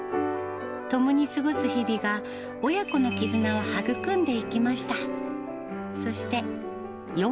共に過ごす日々が、親子の絆を育んでいきました。